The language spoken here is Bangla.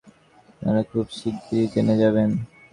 আমি এখনই কিছু বলতে চাই না, আপনারা খুব শিগগির জেনে যাবেন।